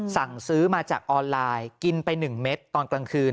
สั่งซื้อมาจากออนไลน์กินไป๑เม็ดตอนกลางคืน